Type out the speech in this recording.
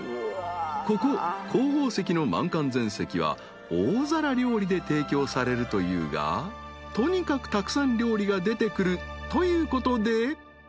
［ここ紅宝石の満漢全席は大皿料理で提供されるというがとにかくたくさん料理が出てくるということで］